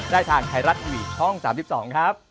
ได้ทางไทยรัฐทีวีช่อง๓๒ครับ